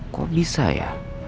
kok bisa ya